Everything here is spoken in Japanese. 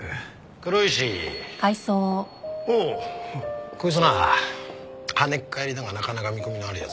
こいつな跳ねっ返りだがなかなか見込みのある奴だ。